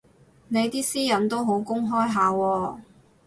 你啲私隱都好公開下喎